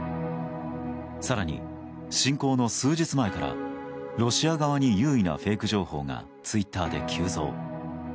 更に、侵攻の数日前からロシア側に有利なフェイク情報がツイッターで急増。